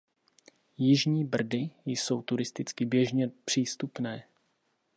Jižní Brdy jsou turisticky běžně přístupné.